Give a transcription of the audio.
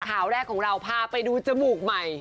ข่าวแรกของเราพาไปดูจมูกใหม่